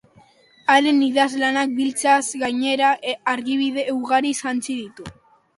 Haren idazlanak biltzeaz gainera, argibide ugariz jantzi ditu.